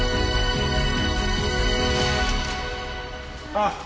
ああ。